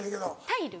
タイル。